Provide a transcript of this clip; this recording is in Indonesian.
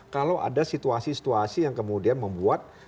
kalau ada situasi situasi yang kemudian membuat